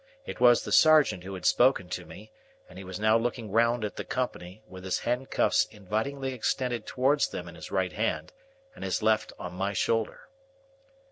It was the sergeant who had spoken to me, and he was now looking round at the company, with his handcuffs invitingly extended towards them in his right hand, and his left on my shoulder.